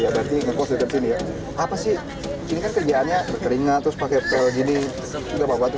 berarti ngepost dekat sini ya apa sih ini kan kerjaannya berkeringat terus pakai pel gini itu apa apa tuh